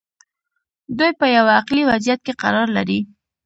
دوی په یوه عقلي وضعیت کې قرار لري.